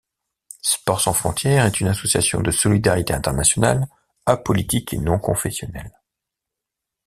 Sport Sans Frontières est une association de Solidarité Internationale apolitique et non confessionnelle.